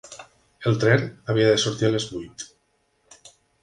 El tren havia de sortir a les vuit